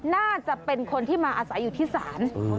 น่าจะเป็นคนที่มาอาศัยอยู่ที่ศาล